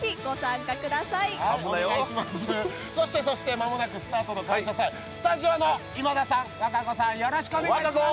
間もなくスタートの「感謝祭」スタジオの今田さん、和歌子さんよろしくお願いします。